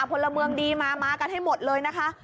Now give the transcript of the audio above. พลเมืองดีมามากันให้หมดเลยนะคะ